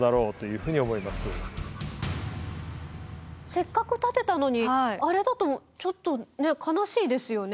せっかく建てたのにあれだとちょっと悲しいですよね。